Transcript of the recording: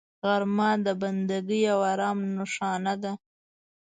غرمه د بندګۍ او آرام نښانه ده